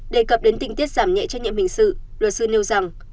đề cập đến tình tiết giảm nhẹ trách nhiệm hình sự luật sư nêu rằng